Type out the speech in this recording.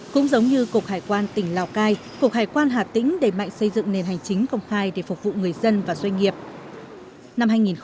cũng giống như cục hải quan tỉnh lào cai cục hải quan hà tĩnh đầy mạnh xây dựng nền hành chính công khai để phục vụ người dân và doanh nghiệp